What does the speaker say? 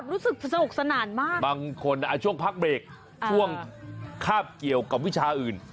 บางคนช่วงพักเบรกช่วงคาบเกี่ยวกับวิชาอื่น